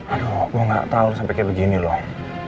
aduh gue gak tau sampe kayak begini loh